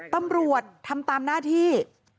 ตำรวจทำตามหน้าที่